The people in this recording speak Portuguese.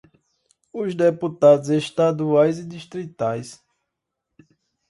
os deputados estaduais e distritais;